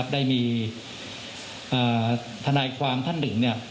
ได้มีทนายความท่านหนึ่ง